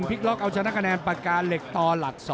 ล็อกเอาชนะคะแนนปากกาเหล็กต่อหลัก๒